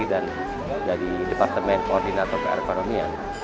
dan dari departemen koordinator keekonomian